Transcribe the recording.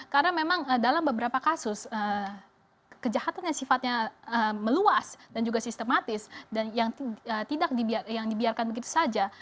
karena memang dalam beberapa kasus kejahatan yang sifatnya meluas dan juga sistematis dan yang dibiarkan begitu saja